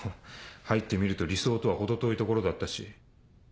入ってみると理想とは程遠い所だったし。